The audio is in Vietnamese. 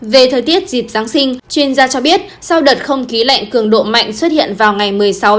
về thời tiết dịp giáng sinh chuyên gia cho biết sau đợt không khí lạnh cường độ mạnh xuất hiện vào ngày một mươi sáu một mươi bảy một mươi hai